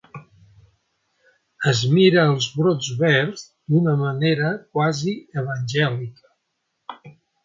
Es mira els brots verds d'una manera quasi evangèlica.